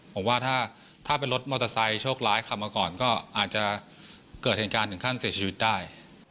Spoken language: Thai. ผมว่าถ้าเป็นรถมอเตอร์ไซค์โชคร้ายขับมาก่อนก็อาจจะเกิดเหตุการณ์ถึงขั้นเสียชีวิตได้